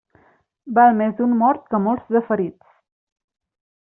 Val més un mort que molts de ferits.